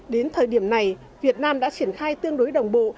đến thời điểm này việt nam đã triển khai tương đối đồng bộ